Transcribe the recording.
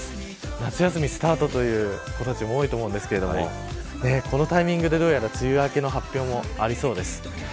夏休みスタートという子たちも多いと思いますがこのタイミングで梅雨明けの発表もありそうです。